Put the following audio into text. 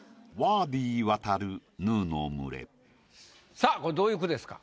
さぁこれどういう句ですか？